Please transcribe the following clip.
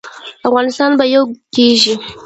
افغانستان به یو کیږي